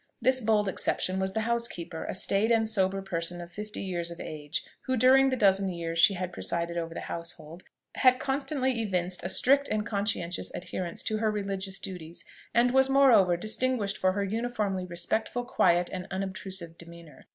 This bold exception was the housekeeper; a staid and sober person of fifty years of age, who during the dozen years she had presided over the household, had constantly evinced a strict and conscientious adherence to her religious duties, and was, moreover, distinguished for her uniformly respectful, quiet, and unobtrusive demeanour.